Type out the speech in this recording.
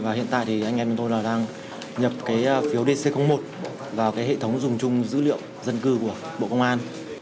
và hiện tại thì anh em tôi là đang nhập cái phiếu dc một vào cái hệ thống dùng chung dữ liệu dân cư của bộ công an